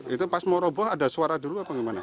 itu pas mau roboh ada suara dulu apa gimana